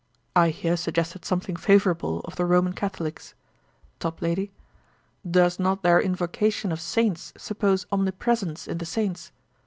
I here suggested something favourable of the Roman Catholicks. TOPLADY. 'Does not their invocation of saints suppose omnipresence in the saints?'